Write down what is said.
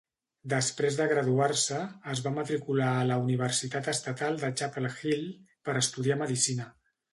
Després de graduar-se, es va matricular a la universitat estatal de Chapel Hill per estudiar medicina.